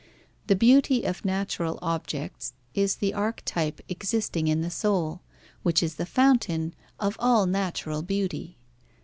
The beauty of natural objects is the archetype existing in the soul, which is the fountain of all natural beauty.